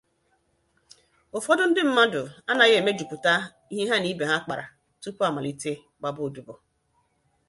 Ụfọdụ ndị mmadụ anaghị emejupụta ihe ha na ibe ha kpara tupu amalite gbaba odibo.